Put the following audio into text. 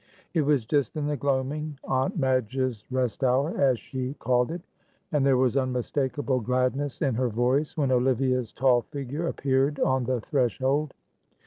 It was just in the gloaming, Aunt Madge's rest hour, as she called it, and there was unmistakable gladness in her voice, when Olivia's tall figure appeared on the threshold.